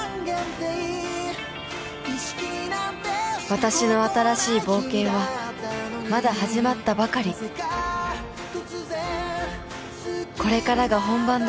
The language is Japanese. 私の新しい冒険はまだ始まったばかりこれからが本番だ